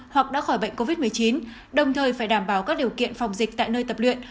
hoặc đã khỏi bệnh covid một mươi chín đồng thời phải đảm bảo các điều kiện phòng dịch tại nơi tập luyện